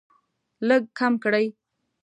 لږ کم کړئ